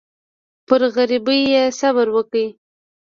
پر غریبۍ یې صبر وکړ.